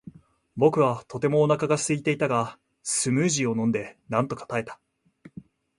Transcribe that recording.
僕はとてもお腹がすいていたが、スムージーを飲んでなんとか耐えた。